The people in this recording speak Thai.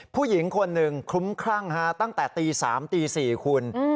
ผู้หญิงคนหนึ่งคุ้มครั่งฮะตั้งแต่ตีสามตีสี่คุณอืม